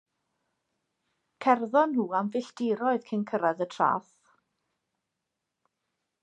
Cerddon nhw am filltiroedd cyn cyrraedd y traeth.